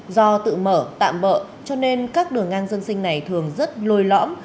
do tự mở tạm bỡ cho nên các đường ngang dân sinh này thường rất lôi lõm